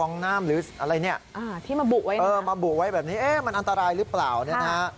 ใช่ที่มาบุกไว้นะฮะเออมันอันตรายหรือเปล่านะฮะ